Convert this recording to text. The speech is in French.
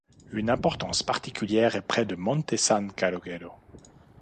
Une importance particulière est près de Monte San Calogero.